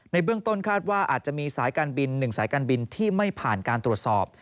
เบื้องต้นคาดว่าอาจจะมีสายการบิน๑สายการบินที่ไม่ผ่านการตรวจสอบ